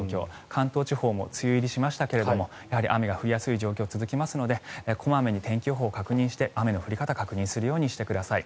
関東地方も梅雨入りしましたけどやはり雨が降りやすい状況が続きますのでこまめに天気予報を確認して雨の降り方確認するようにしてください。